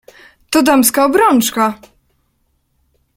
"To damska obrączka!"